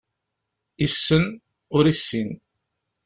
Issen, ur issin.